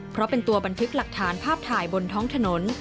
เพราะเป็นตัวบันทึกหลักฐานภาพถ่ายบนท้องถนน